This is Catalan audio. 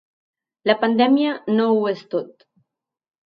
La pandèmia no ho és tot.